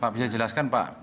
pak bisa jelaskan pak